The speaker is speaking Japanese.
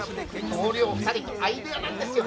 同僚二人と相部屋なんですよ。